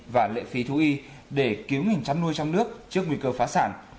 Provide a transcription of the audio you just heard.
và lệ phí thú y để cứu người chăn nuôi trong nước trước nguy cơ phá sản